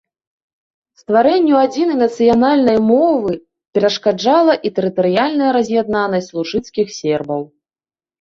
Стварэнню адзінай нацыянальнай мовы перашкаджала і тэрытарыяльная раз'яднанасць лужыцкіх сербаў.